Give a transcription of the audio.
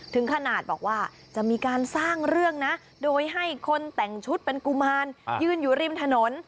ถึงขนาดบอกว่าจะมีการสร้างเรื่องนะโดยให้คนแต่งชุดเป็นกุมารยืนอยู่ริมถนน